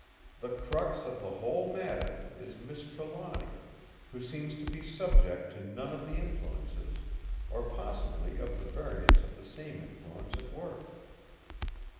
The crux of the whole matter is Miss Trelawny, who seems to be subject to none of the influences, or possibly of the variants of the same influence at work.